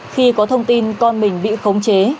khi có thông tin con mình bị khống chế